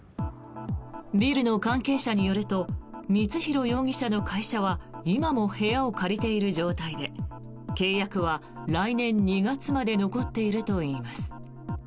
ビルの関係者によると光弘容疑者の会社は今も部屋を借りている状態で契約は来年２月まで残っているといいます。